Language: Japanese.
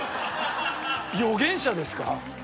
予言者ですか？